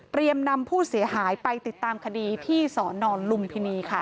นำผู้เสียหายไปติดตามคดีที่สอนอนลุมพินีค่ะ